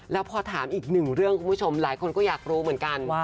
แล้วพอถามอีกหนึ่งเรื่องคุณผู้ชมหลายคนก็อยากรู้เหมือนกัน